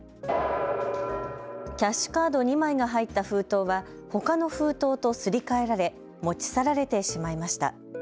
キャッシュカード２枚が入った封筒はほかの封筒とすり替えられ持ち去られてしまいました。